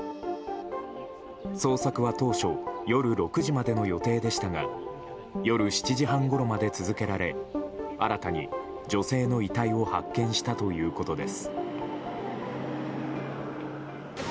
捜索は当初夜６時までの予定でしたが夜７時半ごろまで続けられ新たに女性の遺体を発見したということです。